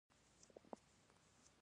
کښېنه تاغاره